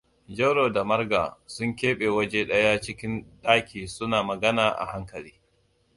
Jauro da Marga sun keɓe waje daya cikin ɗaki suna magana a hankali.